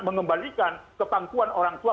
mengembalikan kepangkuan orang tua